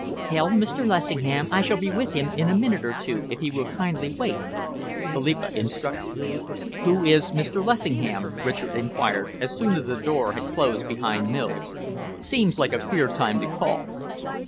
"Tell Mr. Lessingham I shall be with him in a minute or two, if he will kindly wait," Philippa instructed. "Who is Mr. Lessingham?" Richard enquired, as soon as the door had closed behind Mills. "Seems a queer time to call."